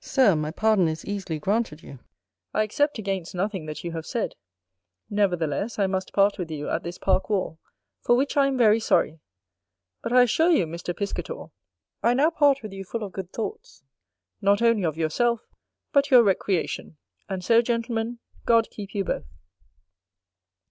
Sir, my pardon is easily granted you: I except against nothing that you have said: nevertheless, I must part with you at this park wall, for which I am very sorry; but I assure you, Mr. Piscator, I now part with you full of good thoughts, not only of yourself, but your recreation. And so, Gentlemen, God keep you both.